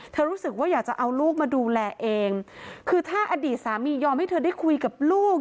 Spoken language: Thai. รู้สึกว่าอยากจะเอาลูกมาดูแลเองคือถ้าอดีตสามียอมให้เธอได้คุยกับลูก